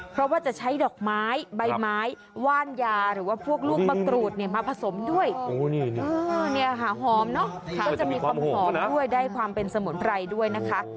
เพราะว่าจะใช้ดอกไม้ใบไม้ว่านยาหรือว่าพวกลูกมะกรูดมาผสมด้วยหอมเนอะก็จะมีความหอมด้วยได้ความเป็นสมุนไพรด้วยนะคะ